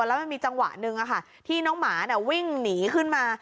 แล้วมันมีจังหวะนึงอ่ะค่ะที่น้องหมาเนี้ยวิ่งหนีขึ้นมา